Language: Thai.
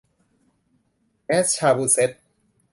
แมสซาชูเซ็ทส์